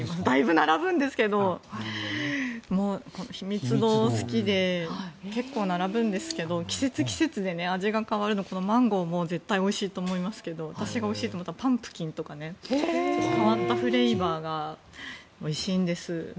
だいぶ並ぶんですけどひみつ堂好きで結構並ぶんですけど季節季節で味が変わるのでマンゴーも絶対おいしいと思いますが私がおいしいと思ったのはパンプキンとか変わったフレーバーがおいしいんです。